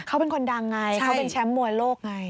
เขาเป็นคนดังไงเขาเป็นแชมป์มวยโลกไง